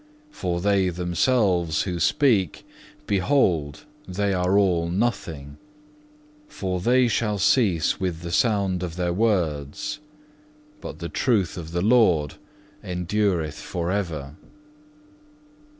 For they themselves who speak, behold, they are all nothing; for they shall cease with the sound of their words, but the truth of the Lord endureth for ever.